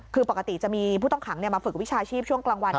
คือปกติจะมีผู้ต้องขังมาฝึกวิชาชีพช่วงกลางวัน